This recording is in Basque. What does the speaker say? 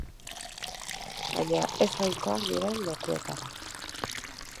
Baina ez ohikoak diren lekuetara.